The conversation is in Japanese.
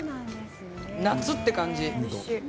夏って感じ。